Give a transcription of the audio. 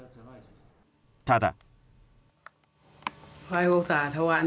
ただ。